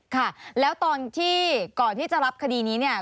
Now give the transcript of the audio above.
ค่ะแล้วตอนที่ก่อนที่จะรับคดีนี้เนี่ย